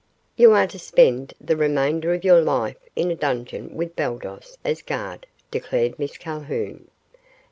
"You are to spend the remainder of your life in a dungeon with Baldos as guard," decided Miss Calhoun.